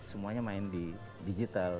semuanya main di digital